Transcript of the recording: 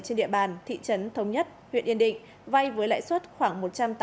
trên địa bàn thị trấn thống nhất huyện yên định vai với lãi suất khoảng một trăm tám mươi hai năm